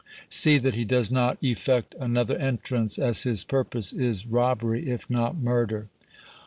See that he does not effect another entrance, as his purpose is robbery if not murder!"